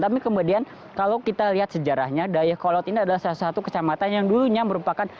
tapi kemudian kalau kita lihat sejarahnya dayakolot ini adalah salah satu kecamatan yang dulunya merupakan